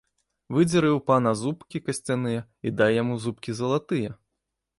Выдзеры ў пана зубкі касцяныя і дай яму зубкі залатыя!